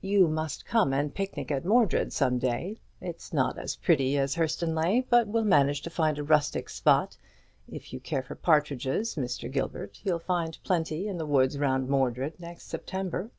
"You must come and picnic at Mordred some day. It's not as pretty as Hurstonleigh, but we'll manage to find a rustic spot. If you care for partridges, Mr. Gilbert, you'll find plenty in the woods round Mordred next September."